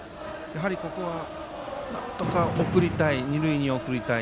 ここはなんとか二塁に送りたい。